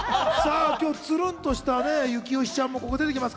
今日つるんとしたね征悦ちゃんもここ出て来ます。